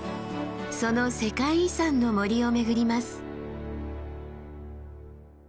その世界遺産の森を巡ります。